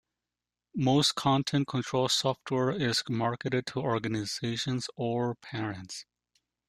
Most content control software is marketed to organizations or parents.